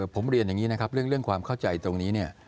ผมเรียนอย่างนี้นะครับเรื่องความเข้าใจตรงนี้เนี่ย